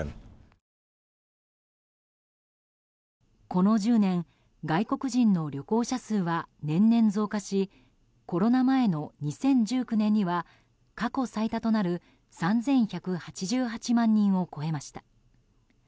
この１０年外国人の旅行者数は年々増加しコロナ前の２０１９年には過去最多となる３１８８万人を超えました。